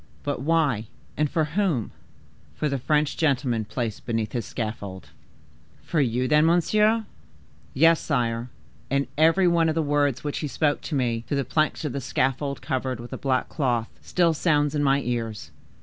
But why and for whom?" "For the French gentleman placed beneath his scaffold." "For you, then, monsieur?" "Yes, sire; and every one of the words which he spoke to me, through the planks of the scaffold covered with a black cloth, still sounds in my ears.